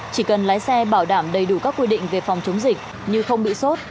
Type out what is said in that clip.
chỉ cần lái xe bảo đảm đầy đủ các quy định về phòng chống dịch như không bị sốt